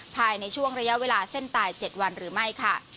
ภายในช่วงระยะเวลาเส้นตาย๗วันหรือไม่ค่ะ